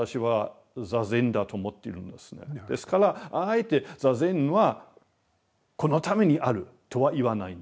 ですからあえて坐禅はこのためにあるとは言わないんですね。